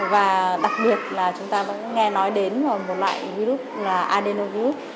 và đặc biệt là chúng ta vẫn nghe nói đến một loại virus là adenovirte